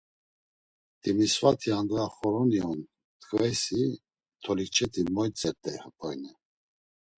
Timisvati andğa xoroni on, t̆ǩveysi; Tolikçeti moytzert̆ey boyne!